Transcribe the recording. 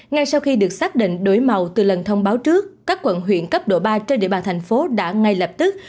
ngay sau khi được xác định đổi màu từ lần thông báo trước các quận huyện cấp độ ba trên địa bàn thành phố đã ngay lập tức